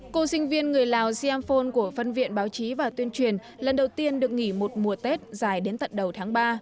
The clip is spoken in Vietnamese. cô sinh viên người lào siam phôn của văn viện báo chí và tuyên truyền lần đầu tiên được nghỉ một mùa tết dài đến tận đầu tháng ba